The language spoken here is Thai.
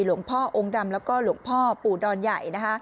หลวงพ่อองค์ดำแล้วก็หลวงพ่อปู่ดอนใหญ่นะคะ